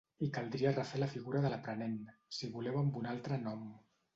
I caldria refer la figura de l’aprenent, si voleu amb un altre nom.